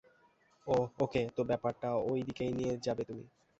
ওহ, okay, তো ব্যাপারটাকে ওইদিকে নিয়ে যাবে তুমি।